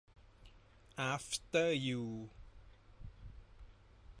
อาฟเตอร์ ยู